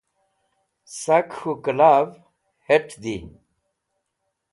sak k̃hu kla've het di